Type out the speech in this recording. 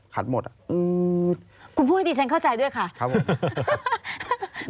หมดอ่ะอืมคุณพูดให้ดีฉันเข้าใจด้วยค่ะครับผม